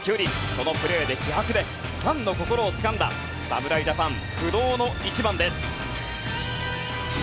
そのプレーで、気迫でファンの心をつかんだ侍ジャパン不動の１番です。